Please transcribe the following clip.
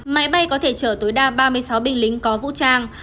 máy bay có thể chở tối đa ba mươi sáu binh lính có vũ trang